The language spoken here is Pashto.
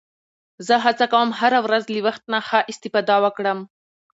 زه هڅه کوم هره ورځ له وخت نه ښه استفاده وکړم